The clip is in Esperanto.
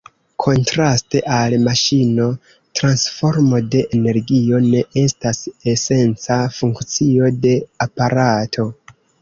Kontraste al maŝino transformo de energio ne estas esenca funkcio de aparato.